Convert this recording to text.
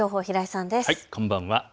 こんばんは。